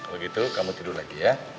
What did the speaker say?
kalau gitu kamu tidur lagi ya